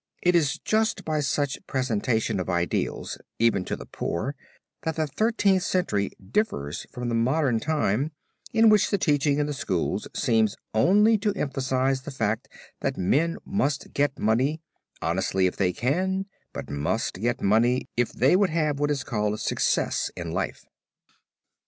It is just by such presentation of ideals even to the poor, that the Thirteenth Century differs from the modern time in which even the teaching in the schools seems only to emphasize the fact that men must get money, honestly if they can, but must get money, if they would have what is called success in life.